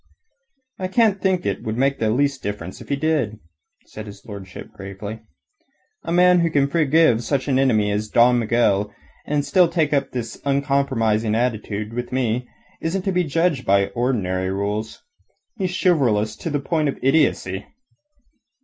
"I can't think that it would make the least difference if he did," said his lordship gravely. "A man who can forgive such an enemy as Don Miguel and take up this uncompromising attitude with me isn't to be judged by ordinary rules. He's chivalrous to the point of idiocy."